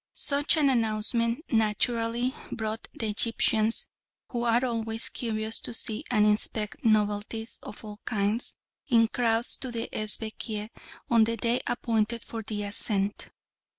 Such an announcement naturally brought the Egyptians, who are always curious to see and inspect novelties of all kinds, in crowds to the Esbekieh on the day appointed for the ascent.